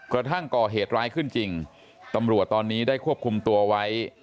กระทั่งก่อเหตุร้ายขึ้นจริงตำรวจตอนนี้ได้ควบคุมตัวไว้